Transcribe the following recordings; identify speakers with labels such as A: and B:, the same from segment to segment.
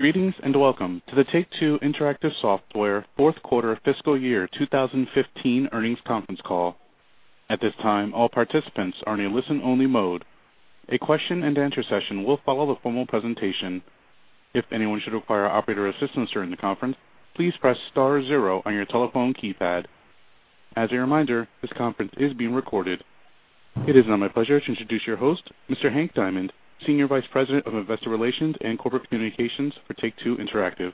A: Greetings, welcome to the Take-Two Interactive Software fourth quarter fiscal year 2015 earnings conference call. At this time, all participants are in a listen-only mode. A question and answer session will follow the formal presentation. If anyone should require operator assistance during the conference, please press star zero on your telephone keypad. As a reminder, this conference is being recorded. It is now my pleasure to introduce your host, Mr. Hank Diamond, Senior Vice President of Investor Relations and Corporate Communications for Take-Two Interactive.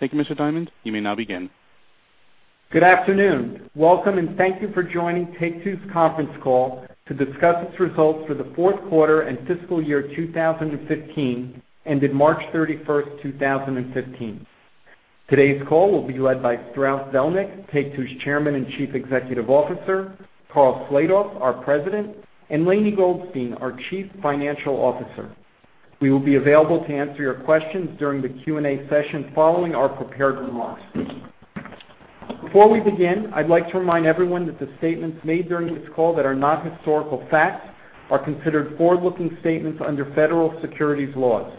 A: Thank you, Mr. Diamond. You may now begin.
B: Good afternoon. Welcome, thank you for joining Take-Two's conference call to discuss its results for the fourth quarter and fiscal year 2015, ended March 31st, 2015. Today's call will be led by Strauss Zelnick, Take-Two's Chairman and Chief Executive Officer, Karl Slatoff, our President, and Lainie Goldstein, our Chief Financial Officer. We will be available to answer your questions during the Q&A session following our prepared remarks. Before we begin, I'd like to remind everyone that the statements made during this call that are not historical facts are considered forward-looking statements under federal securities laws.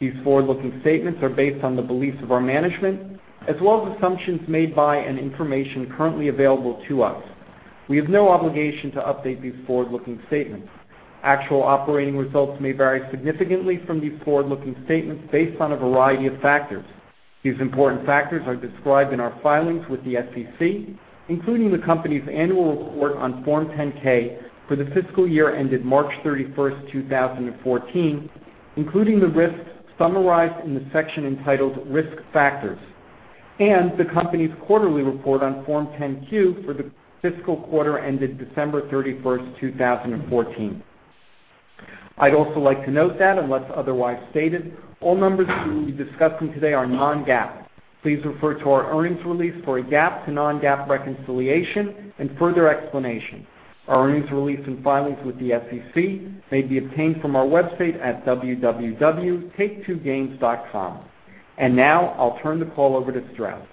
B: These forward-looking statements are based on the beliefs of our management, as well as assumptions made by and information currently available to us. We have no obligation to update these forward-looking statements. Actual operating results may vary significantly from these forward-looking statements based on a variety of factors. These important factors are described in our filings with the SEC, including the company's annual report on Form 10-K for the fiscal year ended March 31st, 2014, including the risks summarized in the section entitled Risk Factors, and the company's quarterly report on Form 10-Q for the fiscal quarter ended December 31st, 2014. I'd also like to note that unless otherwise stated, all numbers we will be discussing today are non-GAAP. Please refer to our earnings release for a GAAP to non-GAAP reconciliation and further explanation. Our earnings release and filings with the SEC may be obtained from our website at www.taketwogames.com. Now I'll turn the call over to Strauss.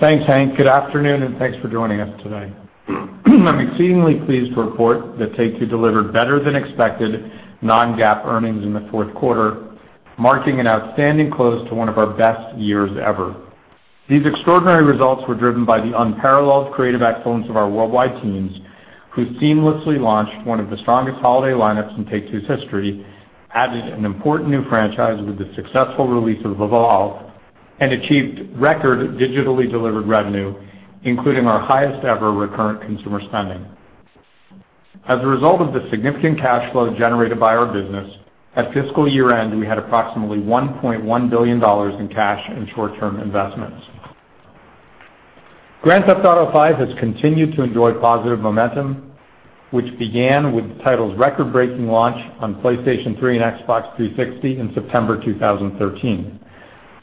C: Thanks, Hank. Good afternoon, thanks for joining us today. I'm exceedingly pleased to report that Take-Two delivered better than expected non-GAAP earnings in the fourth quarter, marking an outstanding close to one of our best years ever. These extraordinary results were driven by the unparalleled creative excellence of our worldwide teams, who seamlessly launched one of the strongest holiday lineups in Take-Two's history, added an important new franchise with the successful release of Evolve, and achieved record digitally delivered revenue, including our highest ever recurrent consumer spending. As a result of the significant cash flow generated by our business, at fiscal year-end, we had approximately $1.1 billion in cash and short-term investments. Grand Theft Auto V has continued to enjoy positive momentum, which began with the title's record-breaking launch on PlayStation 3 and Xbox 360 in September 2013.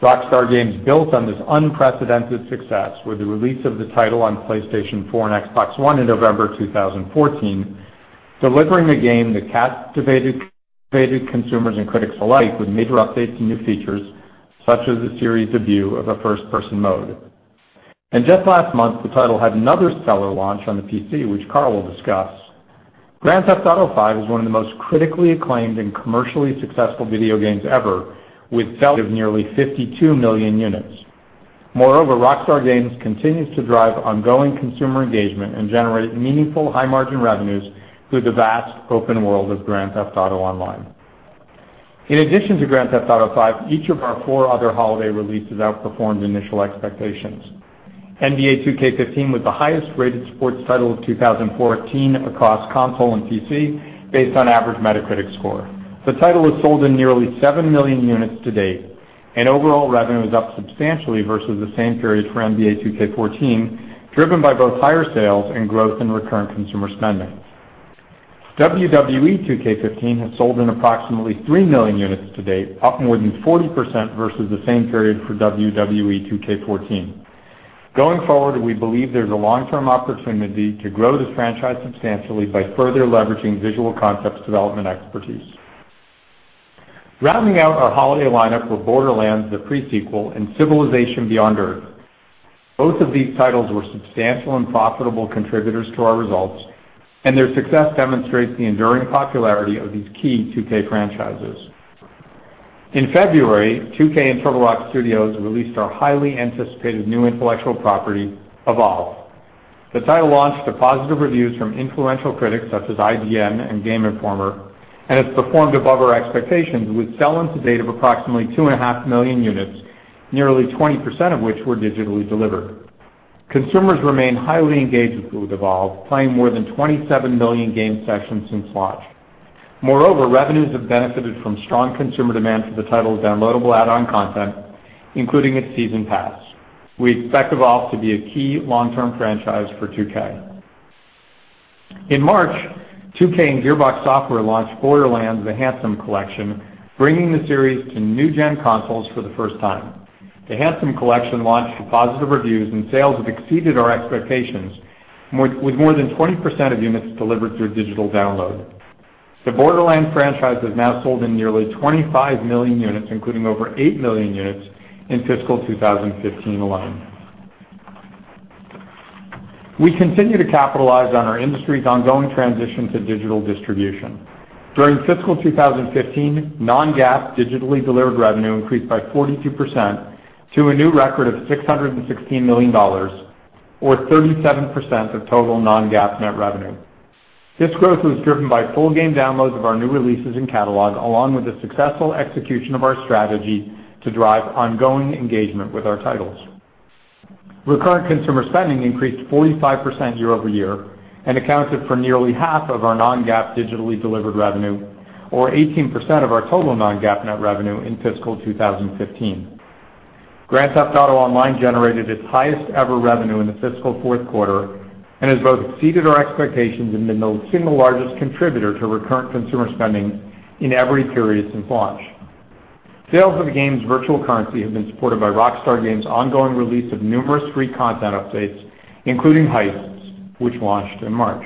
C: Rockstar Games built on this unprecedented success with the release of the title on PlayStation 4 and Xbox One in November 2014, delivering a game that captivated consumers and critics alike with major updates and new features, such as the series debut of a first-person mode. Just last month, the title had another stellar launch on the PC, which Karl will discuss. "Grand Theft Auto V" is one of the most critically acclaimed and commercially successful video games ever, with sales of nearly 52 million units. Moreover, Rockstar Games continues to drive ongoing consumer engagement and generate meaningful high margin revenues through the vast open world of "Grand Theft Auto Online." In addition to "Grand Theft Auto V," each of our four other holiday releases outperformed initial expectations. "NBA 2K15" was the highest-rated sports title of 2014 across console and PC based on average Metacritic score. The title has sold in nearly seven million units to date, and overall revenue is up substantially versus the same period for "NBA 2K14," driven by both higher sales and growth in recurrent consumer spending. "WWE 2K15" has sold in approximately three million units to date, up more than 40% versus the same period for "WWE 2K14." Going forward, we believe there's a long-term opportunity to grow this franchise substantially by further leveraging Visual Concepts' development expertise. Rounding out our holiday lineup were "Borderlands: The Pre-Sequel" and "Civilization Beyond Earth." Both of these titles were substantial and profitable contributors to our results, and their success demonstrates the enduring popularity of these key 2K franchises. In February, 2K and Turtle Rock Studios released our highly anticipated new intellectual property, "Evolve." The title launched to positive reviews from influential critics such as IGN and Game Informer, and has performed above our expectations with sell-in to date of approximately two and a half million units, nearly 20% of which were digitally delivered. Consumers remain highly engaged with "Evolve," playing more than 27 million game sessions since launch. Moreover, revenues have benefited from strong consumer demand for the title's downloadable add-on content, including its season pass. We expect "Evolve" to be a key long-term franchise for 2K. In March, 2K and Gearbox Software launched "Borderlands: The Handsome Collection," bringing the series to new-gen consoles for the first time. "The Handsome Collection" launched to positive reviews, and sales have exceeded our expectations, with more than 20% of units delivered through digital download. The "Borderlands" franchise has now sold in nearly 25 million units, including over eight million units in fiscal 2015 alone. We continue to capitalize on our industry's ongoing transition to digital distribution. During fiscal 2015, non-GAAP digitally delivered revenue increased by 42% to a new record of $616 million, or 37% of total non-GAAP net revenue. This growth was driven by full game downloads of our new releases and catalog, along with the successful execution of our strategy to drive ongoing engagement with our titles. Recurrent consumer spending increased 45% year-over-year and accounted for nearly half of our non-GAAP digitally delivered revenue or 18% of our total non-GAAP net revenue in fiscal 2015. "Grand Theft Auto Online" generated its highest ever revenue in the fiscal fourth quarter and has both exceeded our expectations and been the single largest contributor to recurrent consumer spending in every period since launch. Sales of the game's virtual currency have been supported by Rockstar Games' ongoing release of numerous free content updates, including Heists, which launched in March.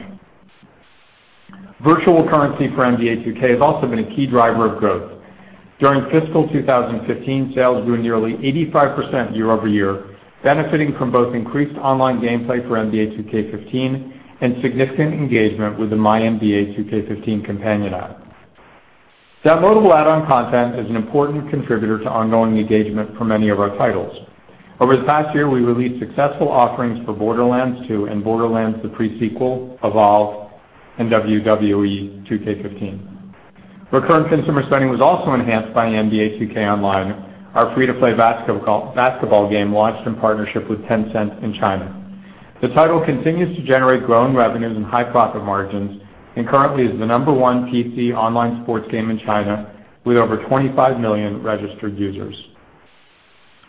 C: Virtual currency for NBA 2K has also been a key driver of growth. During fiscal 2015, sales grew nearly 85% year-over-year, benefiting from both increased online gameplay for NBA 2K15 and significant engagement with the MyNBA2K15 companion app. Downloadable add-on content is an important contributor to ongoing engagement for many of our titles. Over the past year, we released successful offerings for Borderlands 2 and Borderlands: The Pre-Sequel, Evolve, and WWE 2K15. Recurrent consumer spending was also enhanced by NBA 2K Online, our free-to-play basketball game launched in partnership with Tencent in China. The title continues to generate growing revenues and high profit margins, currently is the number 1 PC online sports game in China with over 25 million registered users.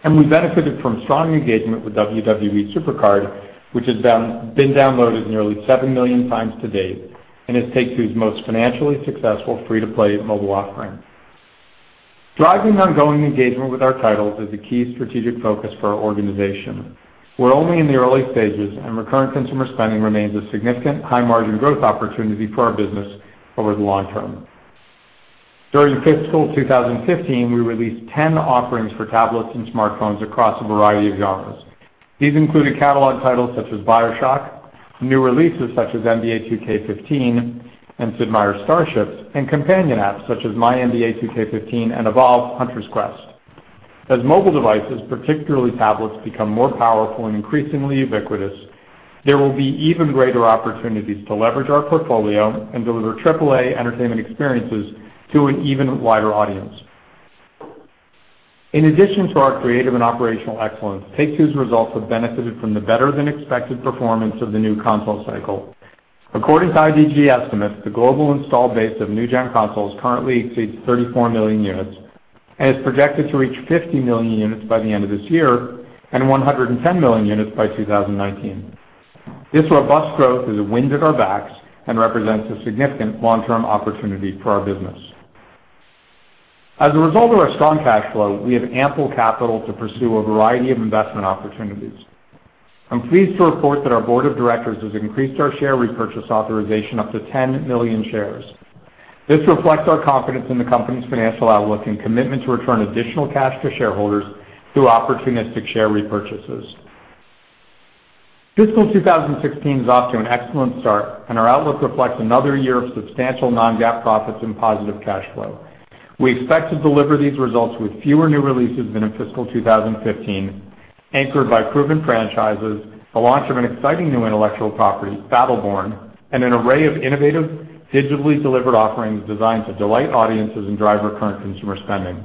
C: We benefited from strong engagement with WWE SuperCard, which has been downloaded nearly seven million times to date, is Take-Two's most financially successful free-to-play mobile offering. Driving ongoing engagement with our titles is a key strategic focus for our organization. We're only in the early stages, recurrent consumer spending remains a significant high-margin growth opportunity for our business over the long term. During fiscal 2015, we released 10 offerings for tablets and smartphones across a variety of genres. These included catalog titles such as BioShock, new releases such as NBA 2K15 and Sid Meier's Starships, and companion apps such as MyNBA2K15 and Evolve: Hunters Quest. As mobile devices, particularly tablets, become more powerful and increasingly ubiquitous, there will be even greater opportunities to leverage our portfolio and deliver AAA entertainment experiences to an even wider audience. In addition to our creative and operational excellence, Take-Two's results have benefited from the better than expected performance of the new console cycle. According to IDC estimates, the global install base of new-gen consoles currently exceeds 34 million units and is projected to reach 50 million units by the end of this year and 110 million units by 2019. This robust growth is a wind at our backs and represents a significant long-term opportunity for our business. As a result of our strong cash flow, we have ample capital to pursue a variety of investment opportunities. I'm pleased to report that our board of directors has increased our share repurchase authorization up to 10 million shares. This reflects our confidence in the company's financial outlook and commitment to return additional cash to shareholders through opportunistic share repurchases. Fiscal 2016 is off to an excellent start, our outlook reflects another year of substantial non-GAAP profits and positive cash flow. We expect to deliver these results with fewer new releases than in fiscal 2015, anchored by proven franchises, the launch of an exciting new intellectual property, Battleborn, and an array of innovative, digitally delivered offerings designed to delight audiences and drive recurrent consumer spending.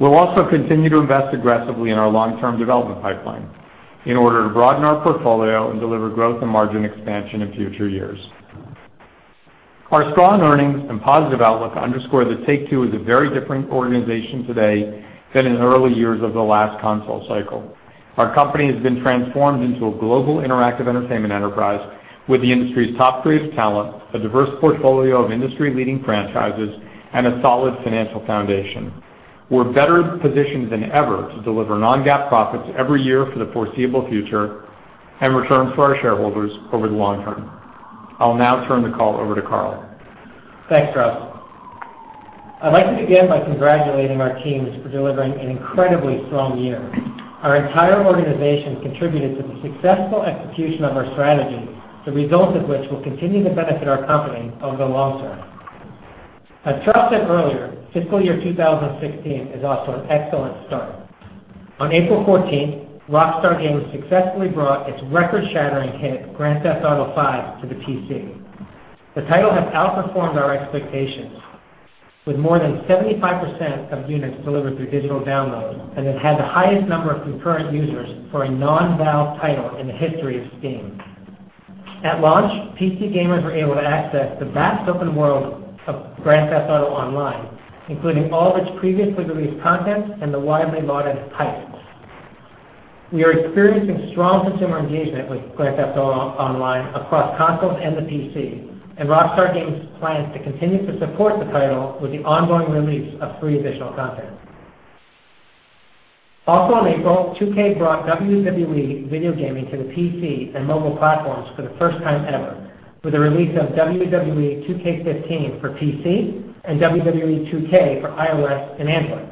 C: We'll also continue to invest aggressively in our long-term development pipeline in order to broaden our portfolio and deliver growth and margin expansion in future years. Our strong earnings and positive outlook underscore that Take-Two is a very different organization today than in the early years of the last console cycle. Our company has been transformed into a global interactive entertainment enterprise with the industry's top creative talent, a diverse portfolio of industry-leading franchises, and a solid financial foundation. We're better positioned than ever to deliver non-GAAP profits every year for the foreseeable future and returns for our shareholders over the long term. I'll now turn the call over to Karl.
D: Thanks, Strauss. I'd like to begin by congratulating our teams for delivering an incredibly strong year. Our entire organization contributed to the successful execution of our strategy, the results of which will continue to benefit our company over the long term. As Strauss said earlier, fiscal year 2016 is off to an excellent start. On April 14th, Rockstar Games successfully brought its record-shattering hit, Grand Theft Auto V to the PC. The title has outperformed our expectations, with more than 75% of units delivered through digital download and it had the highest number of concurrent users for a non-Valve title in the history of Steam. At launch, PC gamers were able to access the vast open world of Grand Theft Auto Online, including all of its previously released content and the widely lauded Heists. We are experiencing strong consumer engagement with Grand Theft Auto Online across consoles and the PC. Rockstar Games plans to continue to support the title with the ongoing release of free additional content. Also in April, 2K brought WWE video gaming to the PC and mobile platforms for the first time ever with the release of WWE 2K15 for PC and WWE 2K for iOS and Android.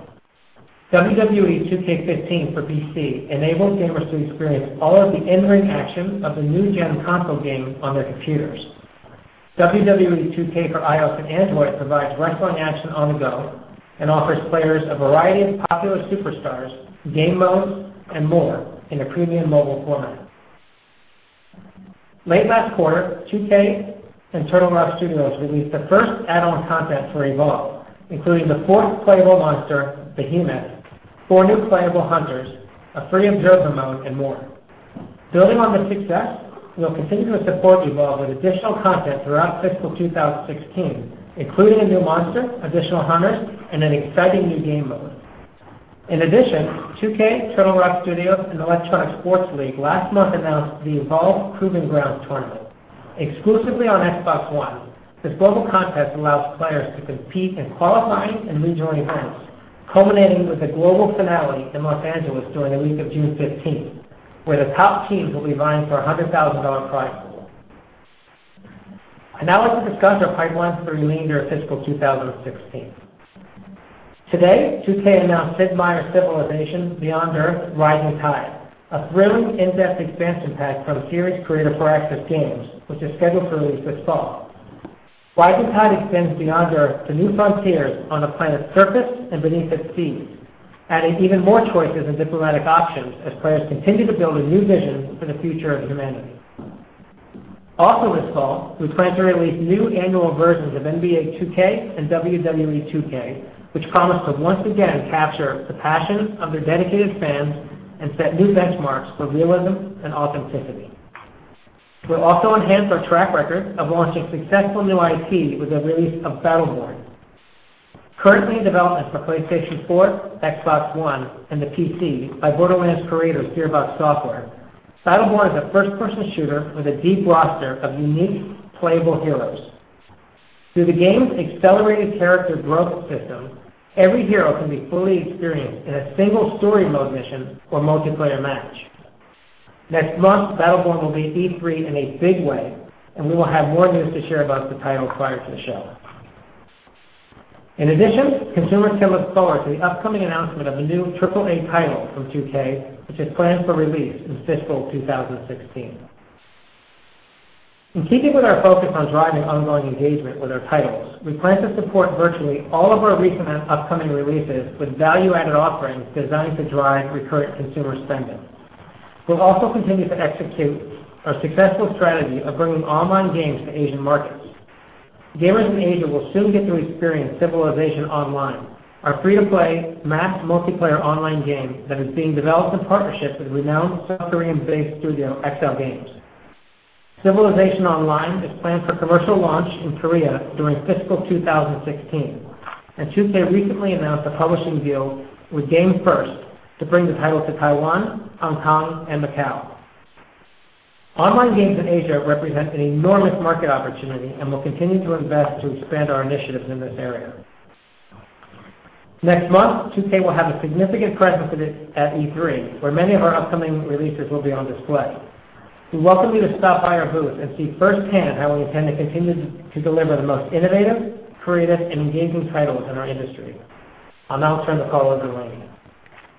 D: WWE 2K15 for PC enables gamers to experience all of the in-ring action of the new-gen console game on their computers. WWE 2K for iOS and Android provides wrestling action on the go and offers players a variety of popular superstars, game modes, and more in a premium mobile format. Late last quarter, 2K and Turtle Rock Studios released the first add-on content for Evolve, including the fourth playable monster, Behemoth, four new playable hunters, a free observer mode, and more. Building on this success, we'll continue to support Evolve with additional content throughout fiscal 2016, including a new monster, additional hunters, and an exciting new game mode. In addition, 2K, Turtle Rock Studios, and the Electronic Sports League last month announced the Evolve Proving Grounds tournament. Exclusively on Xbox One, this global contest allows players to compete in qualifying and region events, culminating with a global finale in Los Angeles during the week of June 15th, where the top teams will be vying for a $100,000 prize pool. I'd now like to discuss our pipeline through remainder of fiscal 2016. Today, 2K announced Sid Meier's Civilization: Beyond Earth - Rising Tide, a thrilling in-depth expansion pack from series creator Firaxis Games, which is scheduled for release this fall. Rising Tide extends Beyond Earth to new frontiers on a planet's surface and beneath its seas, adding even more choices and diplomatic options as players continue to build a new vision for the future of humanity. Also this fall, we plan to release new annual versions of NBA 2K and WWE 2K, which promise to once again capture the passion of their dedicated fans and set new benchmarks for realism and authenticity. We'll also enhance our track record of launching successful new IP with the release of Battleborn. Currently in development for PlayStation 4, Xbox One, and the PC by Borderlands creators Gearbox Software, Battleborn is a first-person shooter with a deep roster of unique playable heroes. Through the game's accelerated character growth system, every hero can be fully experienced in a single story mode mission or multiplayer match. Next month, Battleborn will be at E3 in a big way. We will have more news to share about the title prior to the show. In addition, consumers can look forward to the upcoming announcement of a new AAA title from 2K, which is planned for release in fiscal 2016. In keeping with our focus on driving ongoing engagement with our titles, we plan to support virtually all of our recent and upcoming releases with value-added offerings designed to drive recurrent consumer spending. We'll also continue to execute our successful strategy of bringing online games to Asian markets. Gamers in Asia will soon get to experience Civilization Online, our free-to-play mass multiplayer online game that is being developed in partnership with renowned South Korean-based studio XL Games. Civilization Online is planned for commercial launch in Korea during fiscal 2016. 2K recently announced a publishing deal with GameFirst to bring the title to Taiwan, Hong Kong, and Macau. Online games in Asia represent an enormous market opportunity. We'll continue to invest to expand our initiatives in this area. Next month, 2K will have a significant presence at E3, where many of our upcoming releases will be on display. We welcome you to stop by our booth and see firsthand how we intend to continue to deliver the most innovative, creative, and engaging titles in our industry. I'll now turn the call over to Lainie.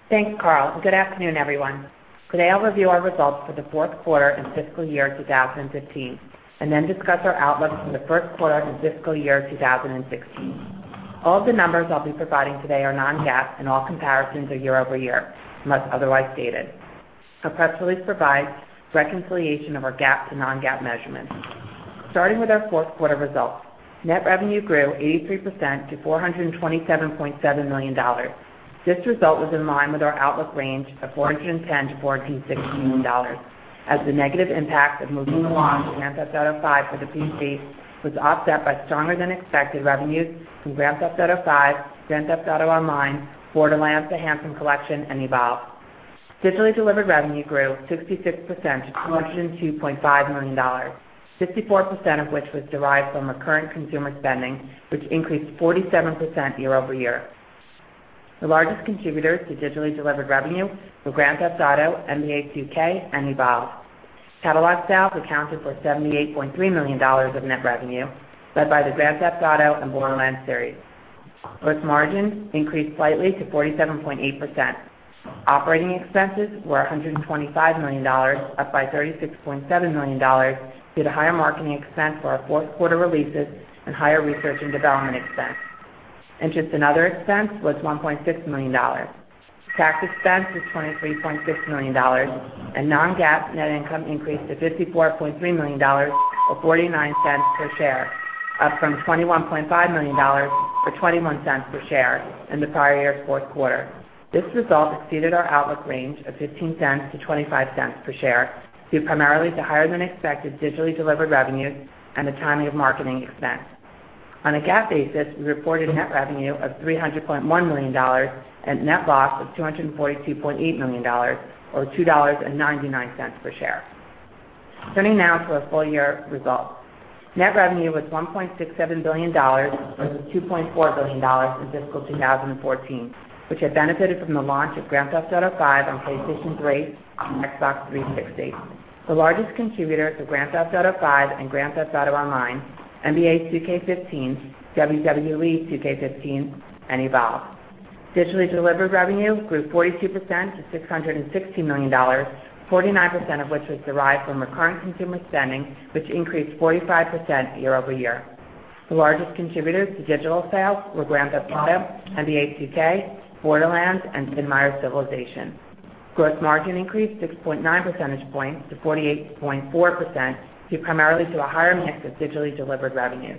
E: Thanks, Karl. Good afternoon, everyone. Today, I'll review our results for the fourth quarter and fiscal year 2015. Then discuss our outlook for the first quarter and fiscal year 2016. All of the numbers I'll be providing today are non-GAAP. All comparisons are year-over-year, unless otherwise stated. Our press release provides reconciliation of our GAAP to non-GAAP measurements. Starting with our fourth quarter results, net revenue grew 83% to $427.7 million. This result was in line with our outlook range of [$14.10 million-$14.16 million], as the negative impact of moving the launch of Grand Theft Auto V for the PC was offset by stronger than expected revenues from Grand Theft Auto V, Grand Theft Auto Online, Borderlands: The Handsome Collection, and Evolve. Digitally delivered revenue grew 66% to $202.5 million, 64% of which was derived from recurrent consumer spending, which increased 47% year-over-year. The largest contributors to digitally delivered revenue were Grand Theft Auto, NBA 2K, and Evolve. Catalog sales accounted for $78.3 million of net revenue, led by the Grand Theft Auto and Borderlands series. Gross margin increased slightly to 47.8%. Operating expenses were $125 million, up by $36.7 million due to higher marketing expense for our fourth quarter releases and higher research and development expense. Interest and other expense was $1.6 million. Tax expense was $23.6 million, and non-GAAP net income increased to $54.3 million, or $0.49 per share, up from $21.5 million or $0.21 per share in the prior year's fourth quarter. This result exceeded our outlook range of $0.15-$0.25 per share, due primarily to higher than expected digitally delivered revenues and the timing of marketing expense. On a GAAP basis, we reported net revenue of $300.1 million and net loss of $242.8 million, or $2.99 per share. Turning now to our full year results. Net revenue was $1.67 billion versus $2.4 billion for fiscal 2014, which had benefited from the launch of Grand Theft Auto V on PlayStation 3 and Xbox 360. The largest contributors were Grand Theft Auto V and Grand Theft Auto Online, NBA 2K15, WWE 2K15, and Evolve. Digitally delivered revenue grew 42% to $616 million, 49% of which was derived from recurrent consumer spending, which increased 45% year-over-year. The largest contributors to digital sales were Grand Theft Auto, NBA 2K, Borderlands, and Sid Meier's Civilization. Gross margin increased 6.9 percentage points to 48.4%, due primarily to a higher mix of digitally delivered revenue.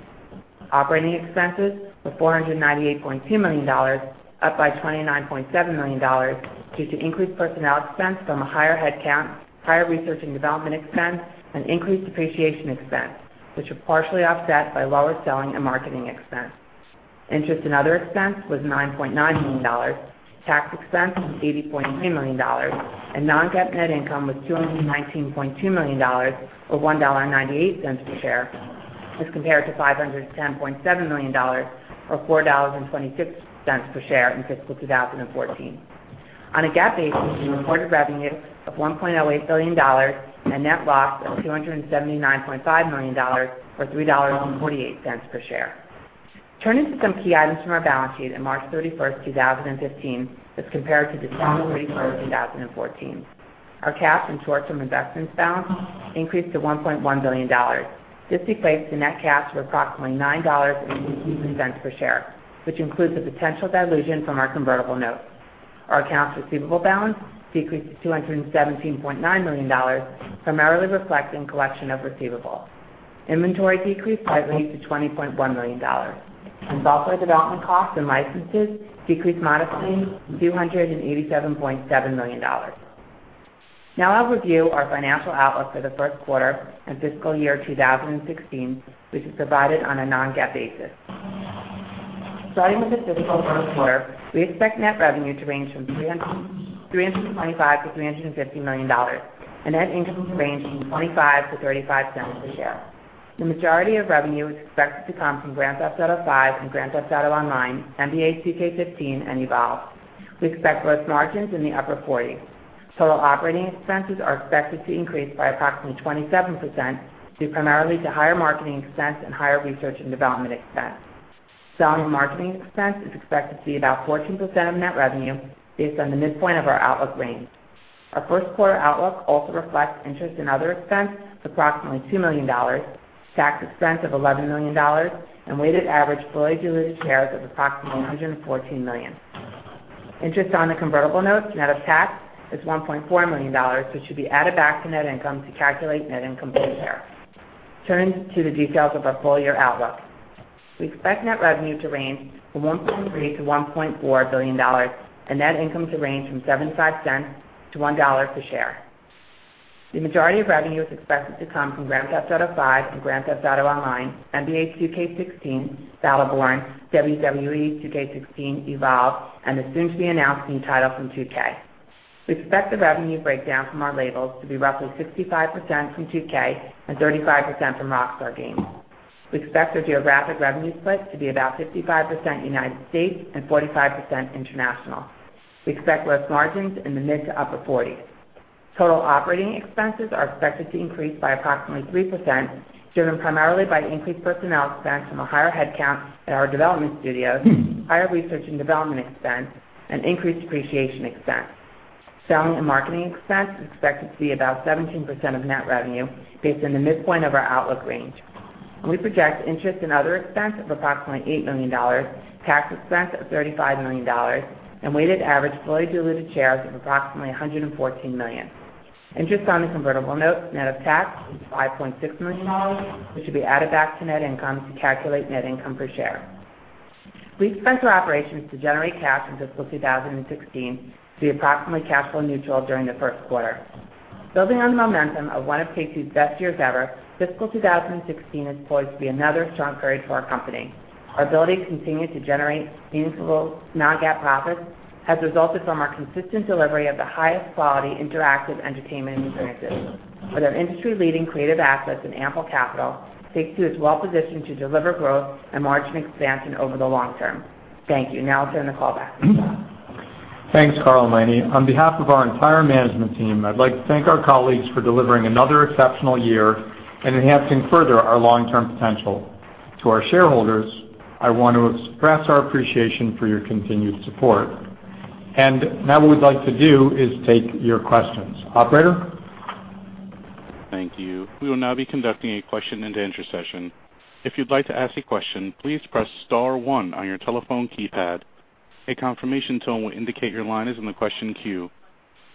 E: Operating expenses were $498.2 million, up by $29.7 million due to increased personnel expense from a higher headcount, higher research and development expense, and increased depreciation expense, which were partially offset by lower selling and marketing expense. Interest and other expense was $9.9 million. Tax expense was $80.3 million, and non-GAAP net income was $219.2 million or $1.98 per share, as compared to $510.7 million or $4.26 per share in fiscal 2014. On a GAAP basis, we reported revenue of $1.08 billion and net loss of $279.5 million or $3.48 per share. Turning to some key items from our balance sheet at March 31st, 2015, as compared to December 31st, 2014. Our cash and short-term investments balance increased to $1.1 billion. This equates to net cash of approximately $9.82 per share, which includes the potential dilution from our convertible notes. Our accounts receivable balance decreased to $217.9 million, primarily reflecting collection of receivables. Inventory decreased slightly to $20.1 million. Software development costs and licenses decreased modestly to $287.7 million. Now I'll review our financial outlook for the first quarter and fiscal year 2016, which is provided on a non-GAAP basis. Starting with the fiscal first quarter, we expect net revenue to range from $325 million-$350 million, and net income to range from $0.25-$0.35 per share. The majority of revenue is expected to come from Grand Theft Auto V and Grand Theft Auto Online, NBA 2K15, and Evolve. We expect gross margins in the upper 40s. Total operating expenses are expected to increase by approximately 27%, due primarily to higher marketing expense and higher research and development expense. Selling and marketing expense is expected to be about 14% of net revenue based on the midpoint of our outlook range. Our first quarter outlook also reflects interest in other expense of approximately $2 million, tax expense of $11 million, and weighted average fully diluted shares of approximately 114 million. Interest on the convertible notes net of tax is $1.4 million, which should be added back to net income to calculate net income per share. Turning to the details of our full-year outlook. We expect net revenue to range from $1.3 billion-$1.4 billion and net income to range from $0.75-$1 per share. The majority of revenue is expected to come from Grand Theft Auto V and Grand Theft Auto Online, NBA 2K16, Battleborn, WWE 2K16, Evolve, and the soon-to-be-announced new title from 2K. We expect the revenue breakdown from our labels to be roughly 65% from 2K and 35% from Rockstar Games. We expect the geographic revenue split to be about 55% U.S. and 45% international. We expect gross margins in the mid to upper 40s. Total operating expenses are expected to increase by approximately 3%, driven primarily by increased personnel expense from a higher headcount at our development studios, higher research and development expense, and increased depreciation expense. Selling and marketing expense is expected to be about 17% of net revenue based on the midpoint of our outlook range. We project interest and other expense of approximately $8 million, tax expense of $35 million, and weighted average fully diluted shares of approximately 114 million. Interest on the convertible note net of tax is $5.6 million, which should be added back to net income to calculate net income per share. We expect our operations to generate cash in fiscal 2016 to be approximately capital neutral during the first quarter. Building on the momentum of one of Take-Two's best years ever, fiscal 2016 is poised to be another strong period for our company. Our ability to continue to generate meaningful non-GAAP profits has resulted from our consistent delivery of the highest quality interactive entertainment experiences. With our industry-leading creative assets and ample capital, Take-Two is well positioned to deliver growth and margin expansion over the long term. Thank you. Now I'll turn the call back.
C: Thanks, Karl and Lainie. On behalf of our entire management team, I'd like to thank our colleagues for delivering another exceptional year and enhancing further our long-term potential. To our shareholders, I want to express our appreciation for your continued support. Now what we'd like to do is take your questions. Operator?
A: Thank you. We will now be conducting a question-and-answer session. If you'd like to ask a question, please press star one on your telephone keypad. A confirmation tone will indicate your line is in the question queue.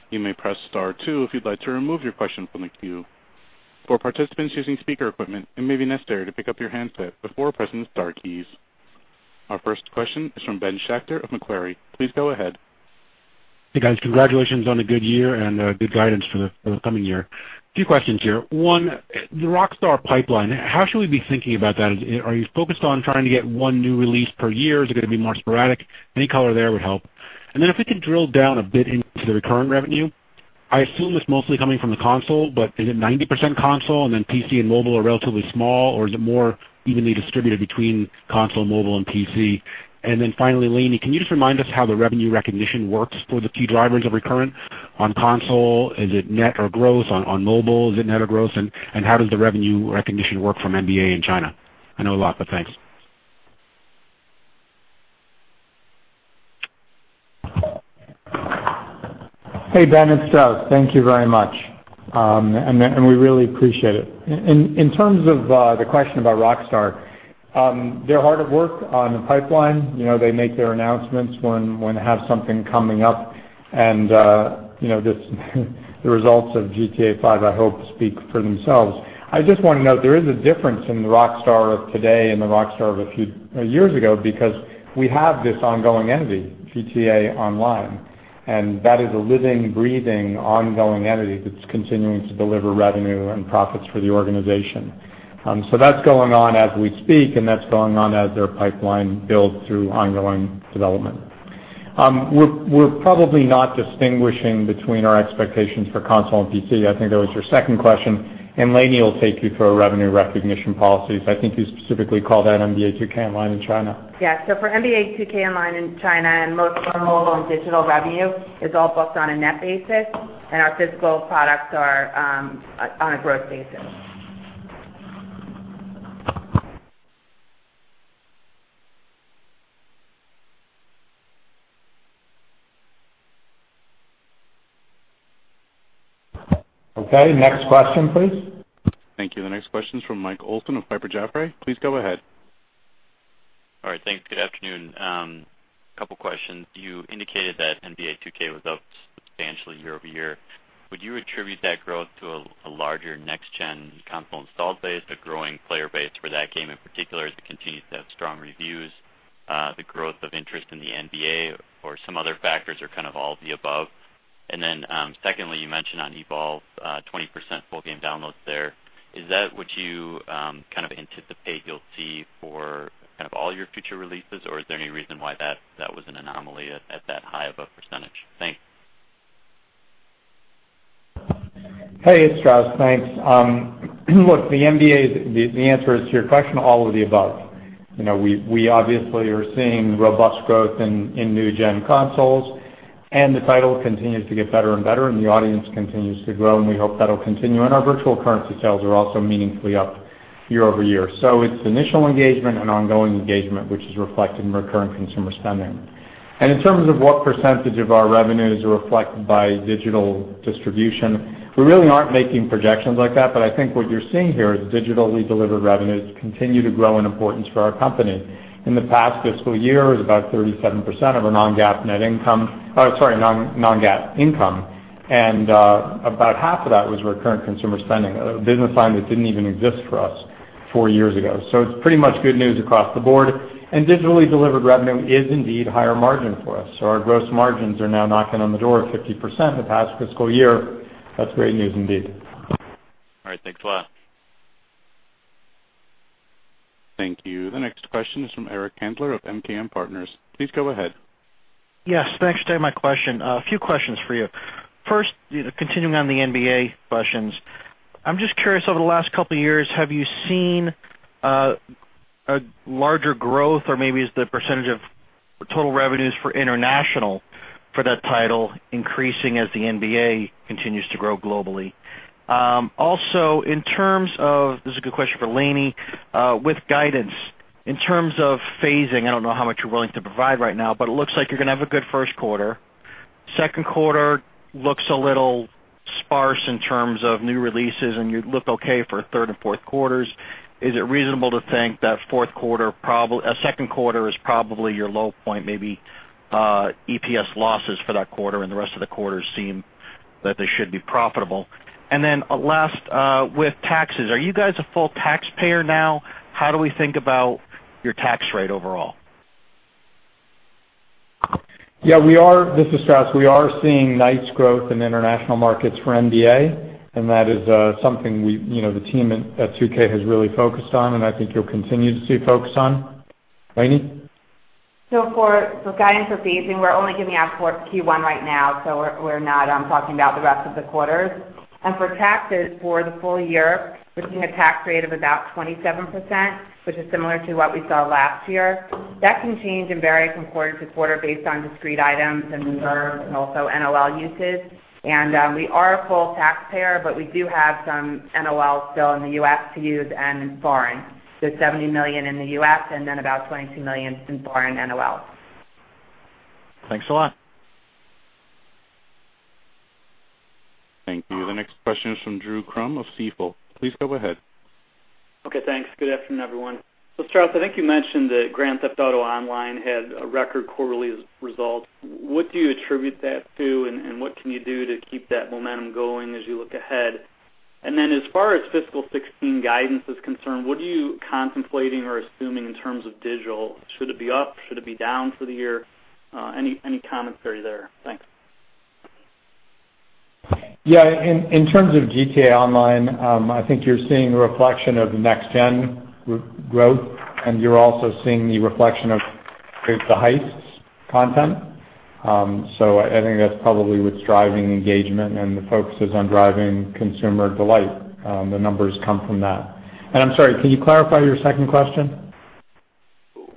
A: You may press star two if you'd like to remove your question from the queue. For participants using speaker equipment, it may be necessary to pick up your handset before pressing the star keys. Our first question is from Ben Schachter of Macquarie. Please go ahead.
F: Hey, guys. Congratulations on a good year and good guidance for the coming year. A few questions here. One, the Rockstar pipeline, how should we be thinking about that? Are you focused on trying to get one new release per year? Is it going to be more sporadic? Any color there would help. If we could drill down a bit into the recurring revenue, I assume it's mostly coming from the console, but is it 90% console and then PC and mobile are relatively small, or is it more evenly distributed between console, mobile, and PC? Finally, Lainie, can you just remind us how the revenue recognition works for the key drivers of recurrent on console? Is it net or gross on mobile? Is it net or gross? How does the revenue recognition work from NBA in China? I know a lot, but thanks.
C: Hey, Ben, it's Strauss. Thank you very much. We really appreciate it. In terms of the question about Rockstar, they're hard at work on the pipeline. They make their announcements when they have something coming up and the results of GTA V, I hope, speak for themselves. I just want to note, there is a difference in the Rockstar of today and the Rockstar of a few years ago because we have this ongoing entity, GTA Online, and that is a living, breathing, ongoing entity that's continuing to deliver revenue and profits for the organization. That's going on as we speak, that's going on as their pipeline builds through ongoing development. We're probably not distinguishing between our expectations for console and PC. I think that was your second question, Lainie will take you through our revenue recognition policies. I think you specifically called out NBA 2K Online in China.
E: Yeah. For NBA 2K Online in China and most of our mobile and digital revenue is all booked on a net basis, and our physical products are on a gross basis.
C: Okay, next question, please.
A: Thank you. The next question's from Mike Olson of Piper Jaffray. Please go ahead.
G: All right. Thanks. Good afternoon. Couple questions. You indicated that NBA 2K was up substantially year-over-year. Would you attribute that growth to a larger next-gen console install base, a growing player base for that game in particular as it continues to have strong reviews, the growth of interest in the NBA or some other factors, or kind of all of the above? Secondly, you mentioned on Evolve, 20% full game downloads there. Is that what you kind of anticipate you'll see for all your future releases, or is there any reason why that was an anomaly at that high of a percentage? Thanks.
C: Hey, it's Strauss. Thanks. Look, the answer to your question, all of the above. We obviously are seeing robust growth in new-gen consoles. The title continues to get better and better, the audience continues to grow, and we hope that'll continue. Our virtual currency sales are also meaningfully up year-over-year. It's initial engagement and ongoing engagement, which is reflected in recurrent consumer spending. In terms of what percentage of our revenue is reflected by digital distribution, we really aren't making projections like that, but I think what you're seeing here is digitally delivered revenues continue to grow in importance for our company. In the past fiscal year, it was about 37% of our non-GAAP income, and about half of that was recurrent consumer spending, a business line that didn't even exist for us four years ago. It's pretty much good news across the board. Digitally delivered revenue is indeed higher margin for us. Our gross margins are now knocking on the door of 50% the past fiscal year. That's great news indeed.
G: All right. Thanks a lot.
A: Thank you. The next question is from Eric Handler of MKM Partners. Please go ahead.
H: Yes, thanks for taking my question. A few questions for you. First, continuing on the NBA questions. I'm just curious, over the last couple of years, have you seen a larger growth, or maybe is the percentage of total revenues for international for that title increasing as the NBA continues to grow globally? This is a good question for Lainie. With guidance, in terms of phasing, I don't know how much you're willing to provide right now, but it looks like you're going to have a good first quarter. Second quarter looks a little sparse in terms of new releases, and you look okay for third and fourth quarters. Is it reasonable to think that second quarter is probably your low point, maybe EPS losses for that quarter and the rest of the quarters seem that they should be profitable? Last, with taxes, are you guys a full taxpayer now? How do we think about your tax rate overall?
C: Yeah. This is Strauss. We are seeing nice growth in international markets for NBA. That is something the team at 2K has really focused on, and I think you'll continue to see focus on. Lainie?
E: For guidance or phasing, we're only giving out for Q1 right now, we're not talking about the rest of the quarters. For taxes, for the full year, we're seeing a tax rate of about 27%, which is similar to what we saw last year. That can change and vary from quarter to quarter based on discrete items and reserves and also NOL uses. We are a full taxpayer, but we do have some NOL still in the U.S. to use and in foreign. $70 million in the U.S. and then about $22 million in foreign NOLs.
H: Thanks a lot.
A: Thank you. The next question is from Drew Crum of Stifel. Please go ahead.
I: Thanks. Good afternoon, everyone. Strauss, I think you mentioned that Grand Theft Auto Online had record quarterly results. What do you attribute that to, and what can you do to keep that momentum going as you look ahead? As far as fiscal 2016 guidance is concerned, what are you contemplating or assuming in terms of digital? Should it be up? Should it be down for the year? Any commentary there? Thanks.
C: Yeah. In terms of Grand Theft Auto Online, I think you're seeing a reflection of the next-gen growth, you're also seeing the reflection of the Heists content. I think that's probably what's driving engagement and the focuses on driving consumer delight. The numbers come from that. I'm sorry, can you clarify your second question?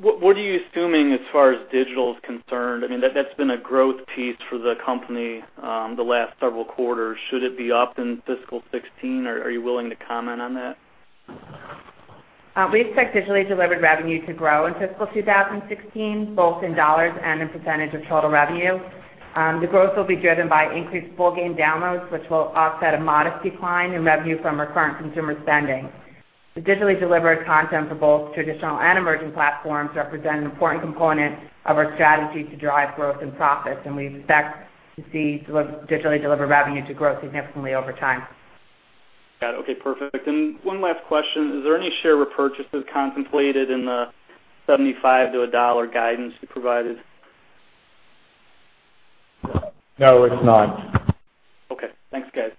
I: What are you assuming as far as digital is concerned? That's been a growth piece for the company the last several quarters. Should it be up in fiscal 2016? Are you willing to comment on that?
E: We expect digitally delivered revenue to grow in fiscal 2016, both in $ and in percentage of total revenue. The growth will be driven by increased full game downloads, which will offset a modest decline in revenue from recurrent consumer spending. The digitally delivered content for both traditional and emerging platforms represent an important component of our strategy to drive growth and profit, and we expect to see digitally delivered revenue to grow significantly over time.
I: Got it. Okay, perfect. One last question. Is there any share repurchase contemplated in the $75-$1 guidance you provided?
C: No, it's not.
I: Okay. Thanks, guys.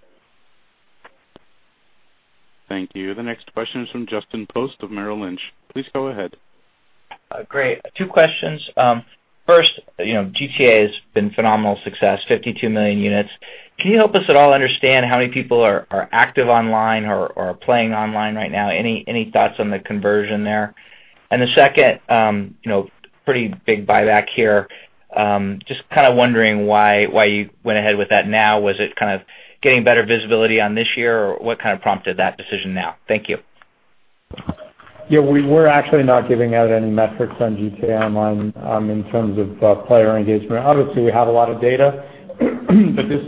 A: Thank you. The next question is from Justin Post of Merrill Lynch. Please go ahead.
J: Great. Two questions. First, GTA has been a phenomenal success, 52 million units. Can you help us at all understand how many people are active online or are playing online right now? Any thoughts on the conversion there? The second, pretty big buyback here. Just kind of wondering why you went ahead with that now. Was it kind of getting better visibility on this year, or what kind of prompted that decision now? Thank you.
C: Yeah, we're actually not giving out any metrics on Grand Theft Auto Online in terms of player engagement. Obviously, we have a lot of data, but this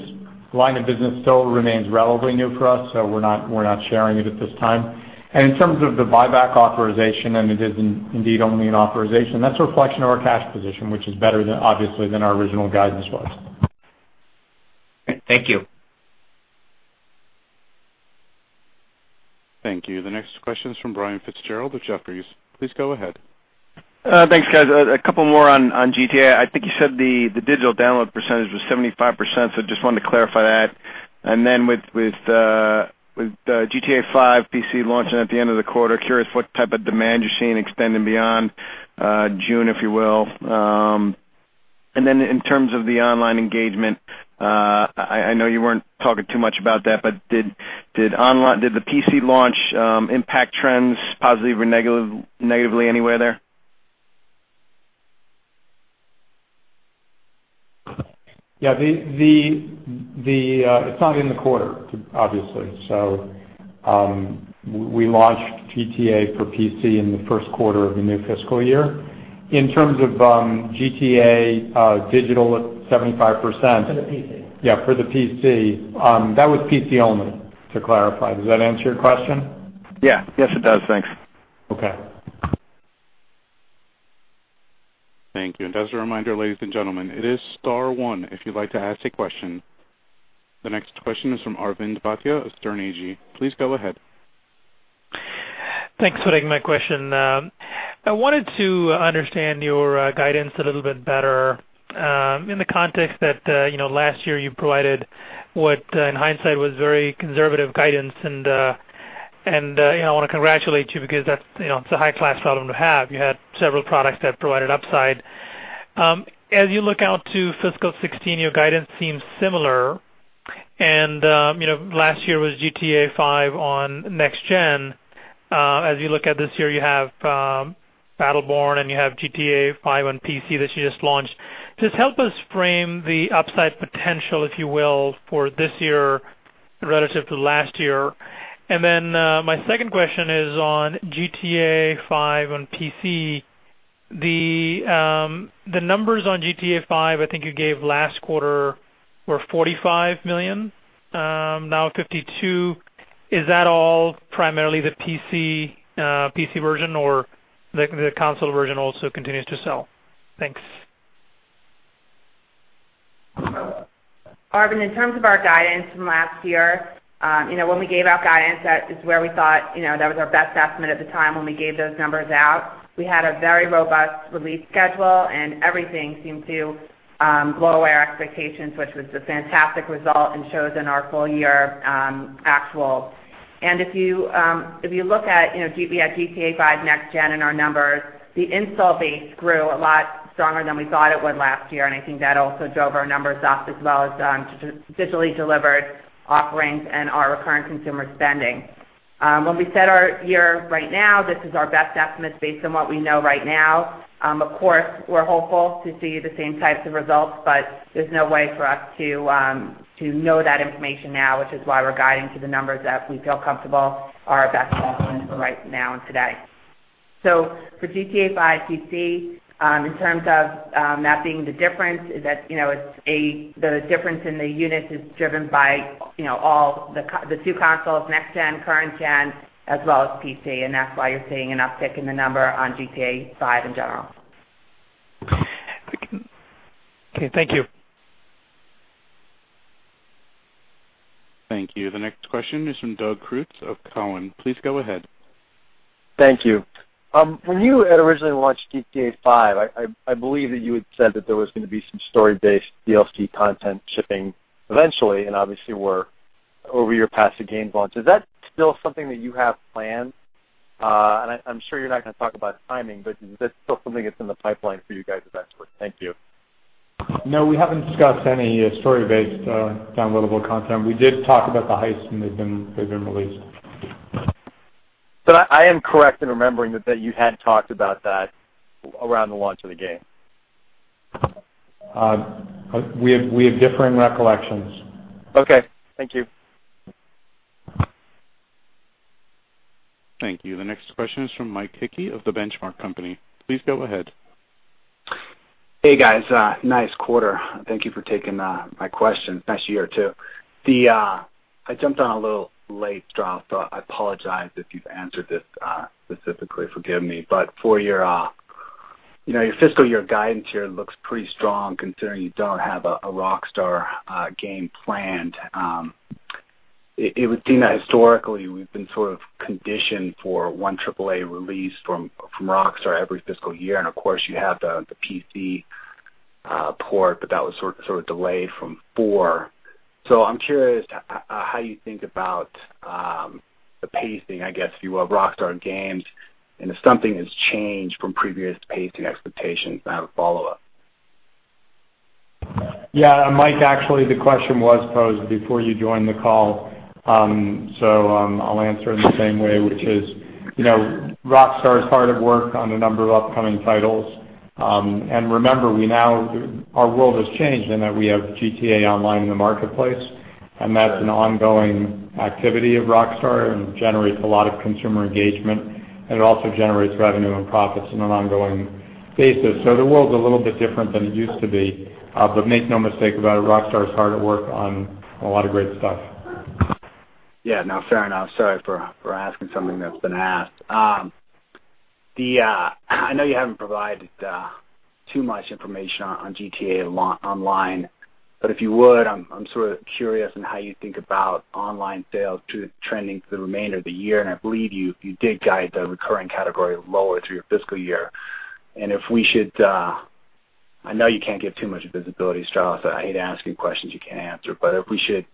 C: line of business still remains relatively new for us, we're not sharing it at this time. In terms of the buyback authorization, and it is indeed only an authorization, that's a reflection of our cash position, which is better, obviously, than our original guidance was.
J: Thank you.
A: Thank you. The next question is from Brian Fitzgerald with Jefferies. Please go ahead.
K: Thanks, guys. A couple more on GTA. I think you said the digital download percentage was 75%, so just wanted to clarify that. With Grand Theft Auto V PC launching at the end of the quarter, curious what type of demand you're seeing extending beyond June, if you will. In terms of the online engagement, I know you weren't talking too much about that, but did the PC launch impact trends positively or negatively anywhere there?
C: Yeah. It's not in the quarter, obviously. We launched GTA for PC in the first quarter of the new fiscal year. In terms of GTA digital at 75%-
E: For the PC.
C: Yeah, for the PC. That was PC only, to clarify. Does that answer your question?
K: Yeah. Yes, it does. Thanks.
C: Okay.
A: Thank you. As a reminder, ladies and gentlemen, it is star one if you'd like to ask a question. The next question is from Arvind Bhatia of Sterne Agee. Please go ahead.
L: Thanks for taking my question. I wanted to understand your guidance a little bit better in the context that, last year you provided what, in hindsight, was very conservative guidance, and I want to congratulate you because that's a high-class problem to have. You had several products that provided upside. As you look out to fiscal 2016, your guidance seems similar. Last year was GTA V on Next Gen. As you look at this year, you have Battleborn and you have GTA V on PC that you just launched. Just help us frame the upside potential, if you will, for this year relative to last year. My second question is on GTA V on PC. The numbers on GTA V, I think you gave last quarter, were 45 million, now 52 million. Is that all primarily the PC version, or the console version also continues to sell? Thanks.
E: Arvind, in terms of our guidance from last year, when we gave out guidance, that is where we thought, that was our best estimate at the time when we gave those numbers out. We had a very robust release schedule, and everything seemed to blow away our expectations, which was a fantastic result and shows in our full-year actuals. If you look at GTA V Next Gen in our numbers, the install base grew a lot stronger than we thought it would last year, and I think that also drove our numbers up as well as digitally delivered offerings and our recurrent consumer spending. When we set our year right now, this is our best estimate based on what we know right now. Of course, we're hopeful to see the same types of results, but there's no way for us to know that information now, which is why we're guiding to the numbers that we feel comfortable are our best estimates for right now and today. For GTA V PC, in terms of that being the difference, the difference in the units is driven by the two consoles, Next Gen, Current Gen, as well as PC, and that's why you're seeing an uptick in the number on GTA V in general.
L: Okay. Thank you.
A: Thank you. The next question is from Doug Creutz of Cowen. Please go ahead.
M: Thank you. When you had originally launched Grand Theft Auto V, I believe that you had said that there was going to be some story-based DLC content shipping eventually, obviously we're over year past the game launch. Is that still something that you have planned? I'm sure you're not going to talk about timing, but is that still something that's in the pipeline for you guys eventually? Thank you.
C: No, we haven't discussed any story-based downloadable content. We did talk about the Heists when they've been released.
M: I am correct in remembering that you had talked about that around the launch of the game.
C: We have differing recollections.
M: Okay. Thank you.
A: Thank you. The next question is from Mike Hickey of The Benchmark Company. Please go ahead.
N: Hey, guys. Nice quarter. Thank you for taking my question. Nice year, too. I jumped on a little late, Strauss, I apologize if you've answered this specifically, forgive me. Your fiscal year guidance here looks pretty strong considering you don't have a Rockstar game planned. It would seem that historically we've been sort of conditioned for one AAA release from Rockstar every fiscal year, and of course you have the PC port, but that was sort of delayed from four. I'm curious how you think about the pacing, I guess, if you will, of Rockstar Games, and if something has changed from previous pacing expectations? I have a follow-up.
C: Yeah, Mike, actually, the question was posed before you joined the call, I'll answer it in the same way, which is, Rockstar is hard at work on a number of upcoming titles. Remember, our world has changed in that we have GTA Online in the marketplace, and that's an ongoing activity of Rockstar and generates a lot of consumer engagement, and it also generates revenue and profits on an ongoing basis. The world's a little bit different than it used to be, but make no mistake about it, Rockstar is hard at work on a lot of great stuff.
N: Yeah. No, fair enough. Sorry for asking something that's been asked. I know you haven't provided too much information on GTA Online, but if you would, I'm sort of curious on how you think about online sales trending for the remainder of the year, and I believe you did guide the recurring category lower through your fiscal year. I know you can't give too much visibility, Strauss, I hate asking questions you can't answer, but if we should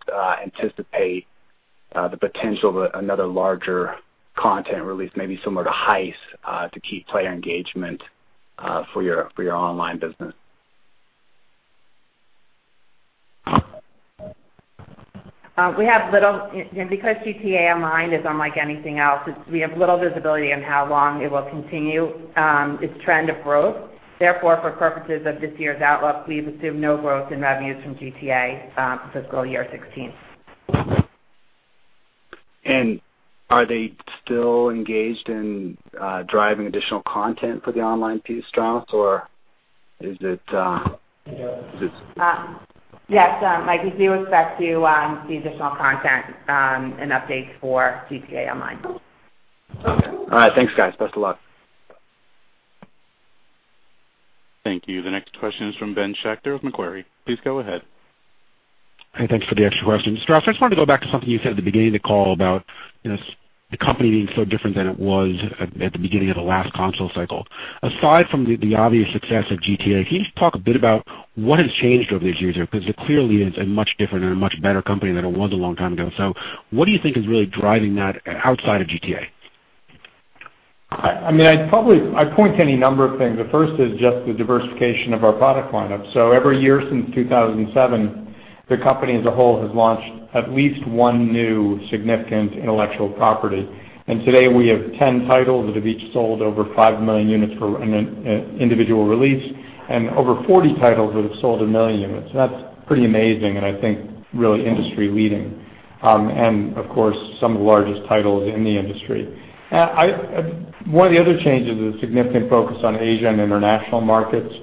N: anticipate the potential of another larger content release, maybe similar to Heists, to keep player engagement for your online business.
E: Because GTA Online is unlike anything else, we have little visibility on how long it will continue its trend of growth. Therefore, for purposes of this year's outlook, we've assumed no growth in revenues from GTA fiscal year 2016.
N: Are they still engaged in driving additional content for the online piece, Strauss?
D: Yes, Mike, we do expect to see additional content and updates for GTA Online.
N: Okay. All right. Thanks, guys. Best of luck.
A: Thank you. The next question is from Ben Schachter of Macquarie. Please go ahead.
F: Hey, thanks for the extra questions. Strauss, I just wanted to go back to something you said at the beginning of the call about the company being so different than it was at the beginning of the last console cycle. Aside from the obvious success of GTA, can you just talk a bit about what has changed over these years there? Because it clearly is a much different and a much better company than it was a long time ago. What do you think is really driving that outside of GTA?
C: I'd point to any number of things. The first is just the diversification of our product lineup. Every year since 2007, the company as a whole has launched at least one new significant intellectual property. Today we have 10 titles that have each sold over 5 million units for an individual release and over 40 titles that have sold 1 million units. That's pretty amazing, and I think really industry-leading. Of course, some of the largest titles in the industry. One of the other changes is a significant focus on Asia and international markets.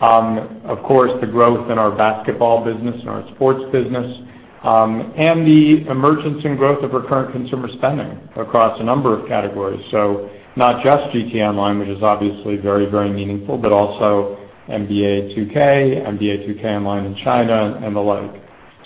C: Of course, the growth in our basketball business and our sports business, and the emergence and growth of recurrent consumer spending across a number of categories. Not just GTA Online, which is obviously very, very meaningful, but also NBA 2K, NBA 2K Online in China and the like.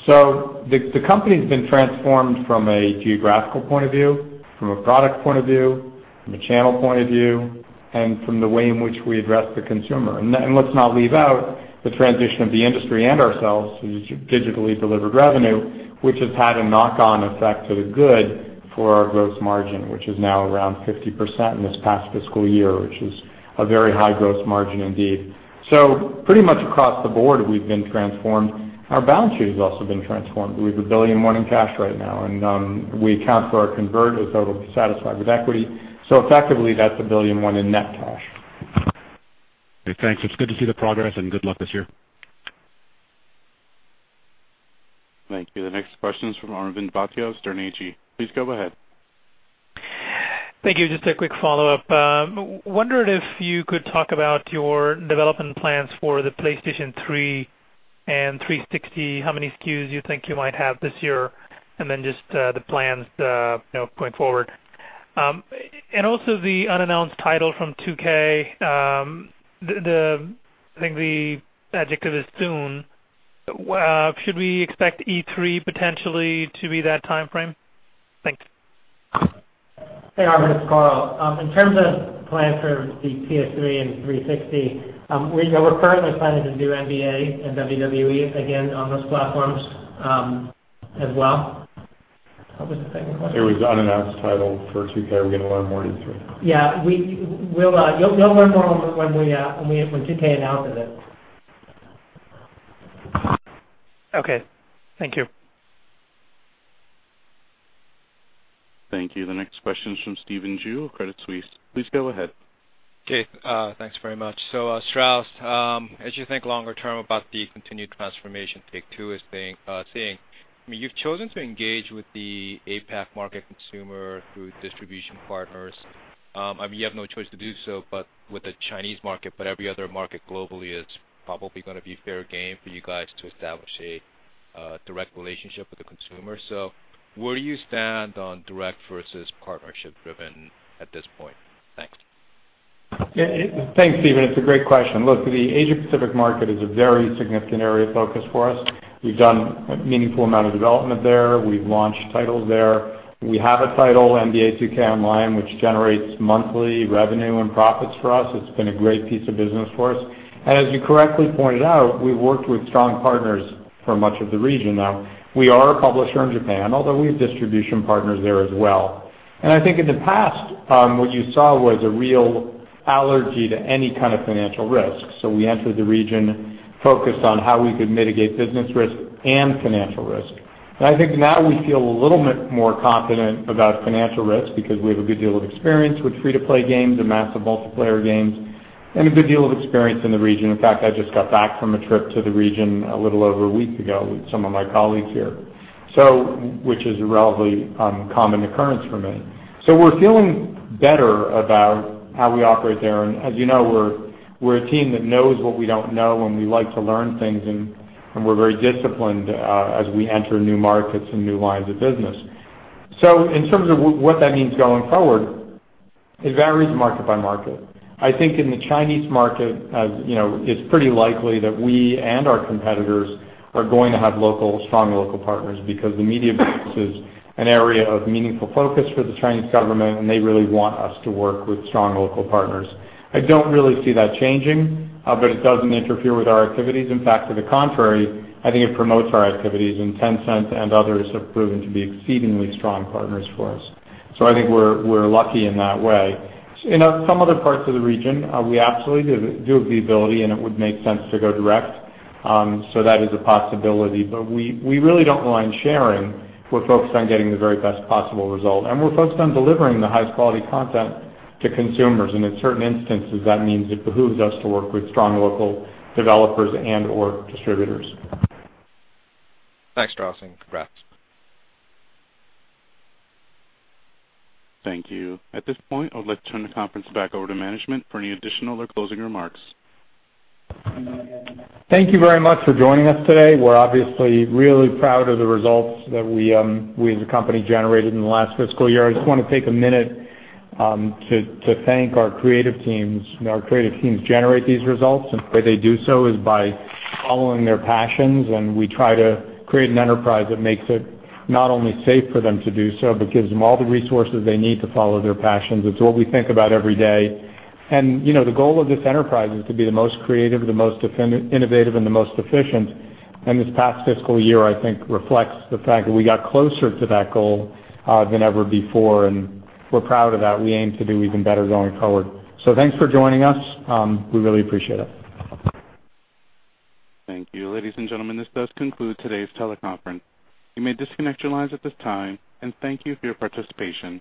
C: The company's been transformed from a geographical point of view, from a product point of view, from a channel point of view, and from the way in which we address the consumer. Let's not leave out the transition of the industry and ourselves to digitally delivered revenue, which has had a knock-on effect to the good for our gross margin, which is now around 50% in this past fiscal year, which is a very high gross margin indeed. Pretty much across the board, we've been transformed. Our balance sheet has also been transformed. We have $1,000,000,001 in cash right now, and we account for our convertibles that'll be satisfied with equity. Effectively, that's $1,000,000,001 in net cash.
F: Okay, thanks. It's good to see the progress and good luck this year.
A: Thank you. The next question is from Arvind Bhatia of Sterne Agee. Please go ahead.
L: Thank you. Just a quick follow-up. Wondered if you could talk about your development plans for the PlayStation 3 and 360, how many SKUs you think you might have this year, and then just the plans going forward. Also the unannounced title from 2K, I think the adjective is soon. Should we expect E3 potentially to be that timeframe? Thanks.
D: Hey, Arvind, it's Karl. In terms of plans for the PS3 and 360, we're currently planning to do NBA and WWE again on those platforms as well.
C: What was the second question? It was unannounced title for 2K. Are we going to learn more in Q3? Yeah. You'll learn more when 2K announces it.
L: Okay. Thank you.
A: Thank you. The next question is from Stephen Ju of Credit Suisse. Please go ahead.
O: Okay, thanks very much. Strauss, as you think longer term about the continued transformation Take-Two is seeing, you've chosen to engage with the APAC market consumer through distribution partners. You have no choice to do so, but with the Chinese market, but every other market globally, it's probably going to be fair game for you guys to establish a direct relationship with the consumer. Where do you stand on direct versus partnership-driven at this point? Thanks.
C: Thanks, Stephen. It's a great question. Look, the Asia Pacific market is a very significant area of focus for us. We've done a meaningful amount of development there. We've launched titles there. We have a title, NBA 2K Online, which generates monthly revenue and profits for us. It's been a great piece of business for us. As you correctly pointed out, we've worked with strong partners for much of the region now. We are a publisher in Japan, although we have distribution partners there as well. I think in the past, what you saw was a real allergy to any kind of financial risk. We entered the region focused on how we could mitigate business risk and financial risk. I think now we feel a little bit more confident about financial risk because we have a good deal of experience with free-to-play games and massive multiplayer games, and a good deal of experience in the region. In fact, I just got back from a trip to the region a little over a week ago with some of my colleagues here. Which is a relatively common occurrence for me. We're feeling better about how we operate there, and as you know, we're a team that knows what we don't know, and we like to learn things, and we're very disciplined as we enter new markets and new lines of business. In terms of what that means going forward, it varies market by market. I think in the Chinese market it's pretty likely that we and our competitors are going to have strong local partners because the media business is an area of meaningful focus for the Chinese government, and they really want us to work with strong local partners. I don't really see that changing, but it doesn't interfere with our activities. In fact, to the contrary, I think it promotes our activities, and Tencent and others have proven to be exceedingly strong partners for us. I think we're lucky in that way. In some other parts of the region, we absolutely do have the ability, and it would make sense to go direct. That is a possibility. We really don't mind sharing. We're focused on getting the very best possible result, and we're focused on delivering the highest quality content to consumers, and in certain instances, that means it behooves us to work with strong local developers and/or distributors.
O: Thanks, Strauss, and congrats.
A: Thank you. At this point, I would like to turn the conference back over to management for any additional or closing remarks.
C: Thank you very much for joining us today. We're obviously really proud of the results that we as a company generated in the last fiscal year. I just want to take a minute to thank our creative teams. Our creative teams generate these results, and the way they do so is by following their passions, and we try to create an enterprise that makes it not only safe for them to do so, but gives them all the resources they need to follow their passions. It's what we think about every day. The goal of this enterprise is to be the most creative, the most innovative, and the most efficient. This past fiscal year, I think, reflects the fact that we got closer to that goal than ever before, and we're proud of that. We aim to do even better going forward. Thanks for joining us. We really appreciate it.
A: Thank you. Ladies and gentlemen, this does conclude today's teleconference. You may disconnect your lines at this time, and thank you for your participation.